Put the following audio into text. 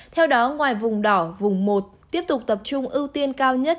theo đó ngoài vùng đỏ vùng một tiếp tục tập trung ưu tiên cao nhất